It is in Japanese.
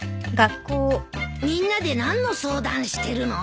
みんなで何の相談してるの？